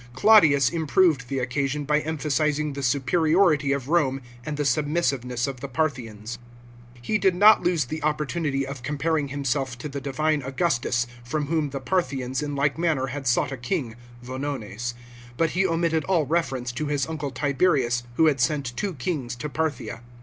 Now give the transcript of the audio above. Claudius improved the occasion by emphasising the superiority of Rome and the snbmissiveness of the Parthians. He did not lose the opportunity of comparing hims< If to the divine Augustus, from whom the Parthians in like manner had sought a 308 THE WARS FOR ARMENIA. CHAP. xvm. king (Vonones), but he omitted all reference to his uncle Tiberius, who had sent two kings to Parthia.